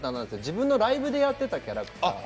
自分のライブでやっていたキャラクターで。